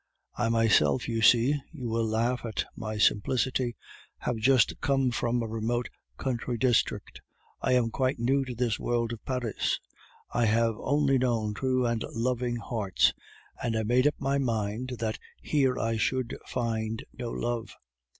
I myself, you see (you will laugh at my simplicity), have just come from a remote country district; I am quite new to this world of Paris; I have only known true and loving hearts; and I made up my mind that here I should find no love.